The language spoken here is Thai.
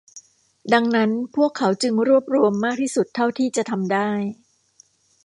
ดังนั้นพวกเขาจึงรวบรวมมากที่สุดเท่าที่จะทำได้